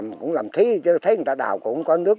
mình cũng làm thi chứ thấy người ta đào cũng có nước